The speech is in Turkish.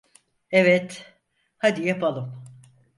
Evet, hadi yapalım.